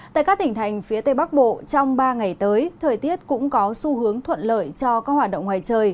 tại các tỉnh thành phía tây bắc bộ trong ba ngày tới thời tiết cũng có xu hướng thuận lợi cho các hoạt động ngoài trời